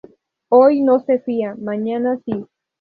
Hoy no se fía, mañana sí